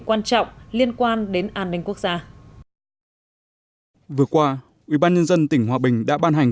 quan trọng liên quan đến an ninh quốc gia vừa qua ubnd tỉnh hòa bình đã ban hành